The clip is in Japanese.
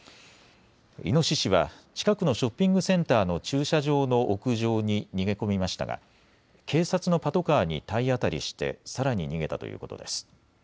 イノシシは近くのショッピングセンターの駐車場の屋上に逃げ込みましたが警察のパトカーに体当たりしてさらに逃げたということです。